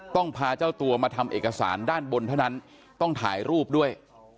พาเจ้าตัวมาทำเอกสารด้านบนเท่านั้นต้องถ่ายรูปด้วย